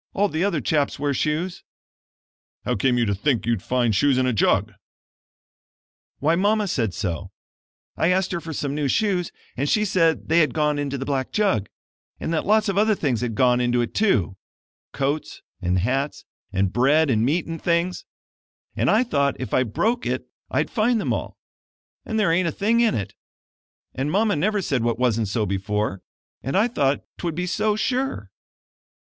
All the other chaps wear shoes." "How came you to think you'd find shoes in a jug?" "Why Mama said so. I asked her for some new shoes and she said they had gone into the black jug, and that lots of other things had gone into it, too coats and hats, and bread and meat and things and I thought if I broke it I'd find them all, and there ain't a thing in it and Mama never said what wasn't so before and I thought 'twould be so sure."